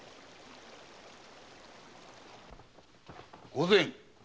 御前。